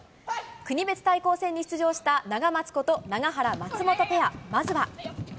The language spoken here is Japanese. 国別対抗戦に出場したナガマツこと、永原・松本ペア、まずは。